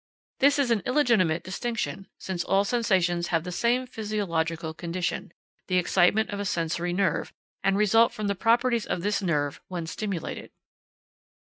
This is an illegitimate distinction, since all sensations have the same physiological condition, the excitement of a sensory nerve, and result from the properties of this nerve when stimulated.